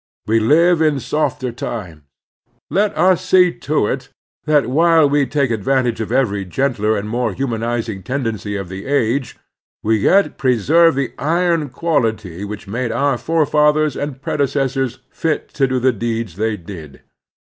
We live in softer times. Let us see to it that, while we take advantage of every gentler and more humanizing tendency of the age, we yet pre serve the iron quality which made our forefathers and predecessors fit to do the deeds they did.